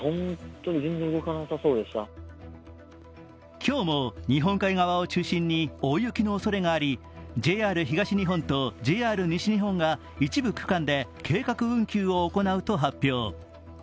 今日も日本海側を中心に大雪のおそれがありＪＲ東日本とＪＲ西日本が一部区間で計画運休を行うと発表。